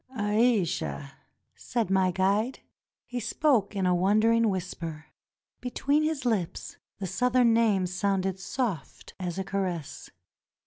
"Aisha!" said my guide. He spoke in a wondering whisper. Between his lips the Southern name sounded soft as a caress.